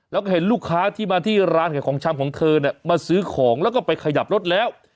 แล้วก็เห็นลูกค้าที่มาที่ร้านขายของชำของเธอเนี่ยมาซื้อของแล้วก็ไปขยับรถแล้ว